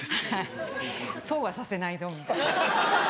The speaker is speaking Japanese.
そうはさせないぞみたいな。